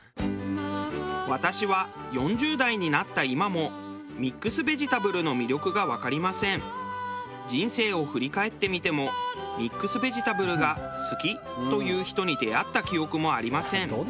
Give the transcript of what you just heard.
私は４０代になった今も人生を振り返ってみてもミックスベジタブルが好きという人に出会った記憶もありません。